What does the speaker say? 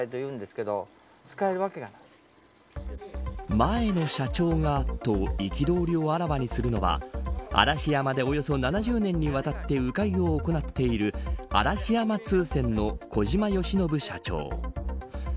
前の社長が、と憤りをあらわにするのは嵐山でおよそ７０年にわたってウ飼いを行っている嵐山通船の小島義伸社長。